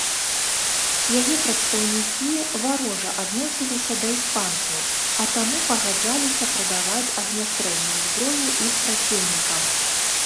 Яе прадстаўнікі варожа адносіліся да іспанцаў, а таму пагаджаліся прадаваць агнястрэльную зброю іх праціўнікам.